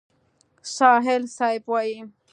سایل صیب وایي: